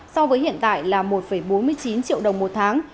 so với hiện tại là một bốn mươi chín triệu đồng một tháng